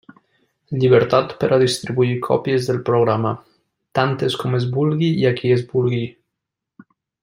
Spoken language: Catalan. Llibertat per a distribuir còpies del programa; tantes com es vulgui i a qui es vulgui.